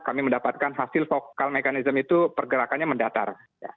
kami mendapatkan hasil vokal mechanism itu pergerakannya mendatar